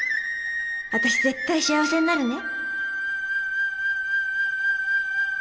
私絶対幸せになるね